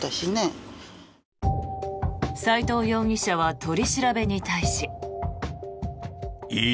斎藤容疑者は取り調べに対し。